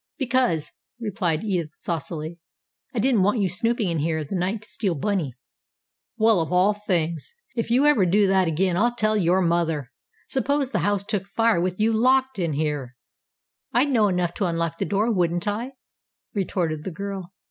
"Because," replied Edith saucily, "I didn't want you snooping in here in the night to steal bunny." "Well, of all things! If you ever do that again, I'll tell your mother! Suppose the house took fire with you locked in here." "I'd know enough to unlock the door, wouldn't I?" retorted the girl.